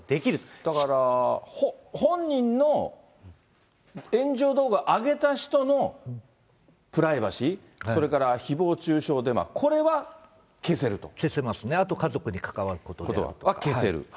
だから本人の、炎上動画上げた人のプライバシー、それからひぼう中傷、消せますね、あと家族に関わ消せる。